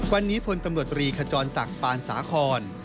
วันนี้พลตำรวจตรีขจรศักดิ์ปานสาคอน